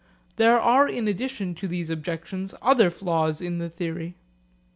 There are in addition to these objections other flaws in the theory.